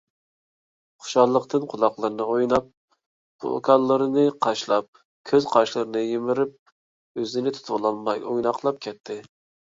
خۇشاللىقتىن قۇلاقلىرىنى ئويناپ، پوكانلىرىنى قاشلاپ، كۆز - قاشلىرىنى يىمىرىپ ئۆزىنى تۇتۇۋالالماي ئويناقلاپ كەتتى.